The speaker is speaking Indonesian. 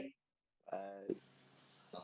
terima kasih mbak